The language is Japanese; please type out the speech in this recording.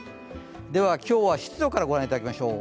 では今日は湿度からご覧いただきましょう。